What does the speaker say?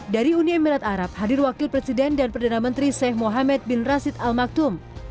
dari uni emirat arab hadir wakil presiden dan perdana menteri sheikh mohamed bin rashid al maktum